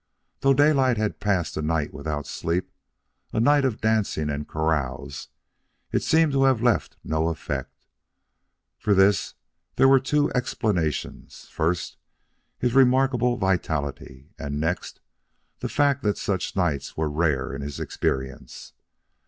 Though Daylight had passed a night without sleep, a night of dancing and carouse, it seemed to have left no effect. For this there were two explanations first, his remarkable vitality; and next, the fact that such nights were rare in his experience.